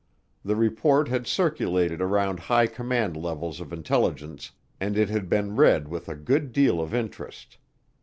The report had circulated around high command levels of intelligence and it had been read with a good deal of interest.